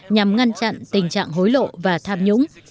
nhằm ngăn chặn tình trạng hối lộ và tham nhũng